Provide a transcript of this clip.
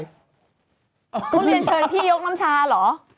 ทุเรียนเชิญพี่ยกน้ำชาเหรอ